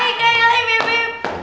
hai kayali bebe